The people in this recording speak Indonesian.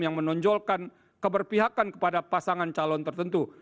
yang menonjolkan keberpihakan kepada pasangan calon tertentu